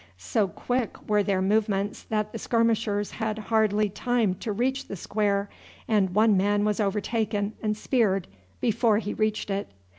So quick were their movements that the skirmishers had hardly time to reach the square, and one man was overtaken and speared before he reached it.